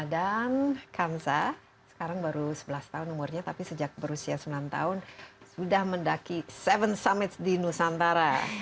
dan hansa sekarang baru sebelas tahun umurnya tapi sejak berusia sembilan tahun sudah mendaki tujuh summit di nusantara